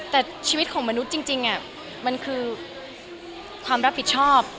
แต่ชีวิตของมนุษย์จริงมันคือความรับผิดชอบ